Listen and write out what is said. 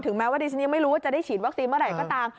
แม้ว่าดิฉันยังไม่รู้ว่าจะได้ฉีดวัคซีนเมื่อไหร่ก็ตาม